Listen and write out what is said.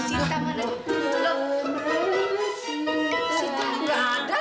sita belum ada sita nya